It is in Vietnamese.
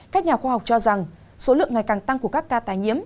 các nhà khoa học cho rằng số lượng ngày càng tăng của các ca tái nhiễm